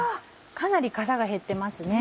かなりかさが減ってますね。